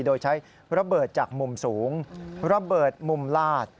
โดยใช้ระเบิดจากมุมสูงระเบิดมุมลาด